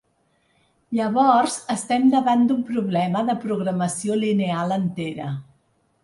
Llavors estem davant d'un problema de programació lineal entera.